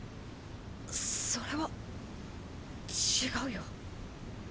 それは違うよ。